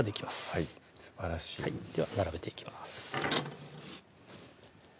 はいすばらしいでは並べていきます